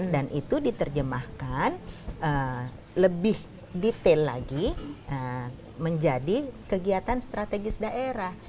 dan itu diterjemahkan lebih detail lagi menjadi kegiatan strategis daerah